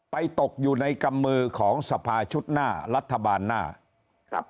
ตกอยู่ในกำมือของสภาชุดหน้ารัฐบาลหน้าครับ